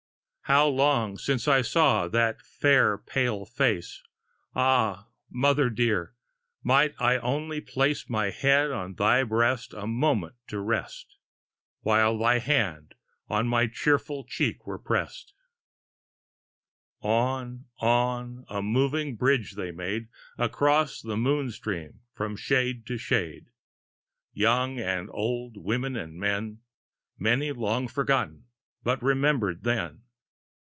How long since I saw that fair pale face! Ah! Mother dear! might I only place My head on thy breast, a moment to rest, While thy hand on my tearful cheek were prest! On, on, a moving bridge they made Across the moon stream, from shade to shade, Young and old, women and men; Many long forgot, but remember'd then.